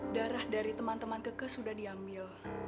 darah dari teman teman kekes sudah diambil